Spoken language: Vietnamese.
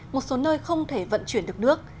một số nơi không thể vận chuyển được nước